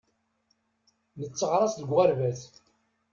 Netteɣraṣ deg uɣerbaz.